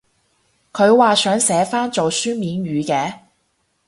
佢話想寫返做書面語嘅？